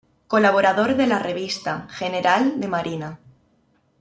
Colaborador de la Revista General de Marina.